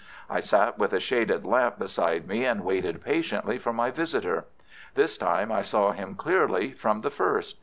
I sat with a shaded lamp beside me and waited patiently for my visitor. This time I saw him clearly from the first.